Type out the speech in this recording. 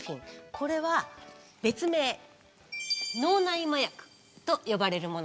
これは別名「脳内麻薬」と呼ばれるものです。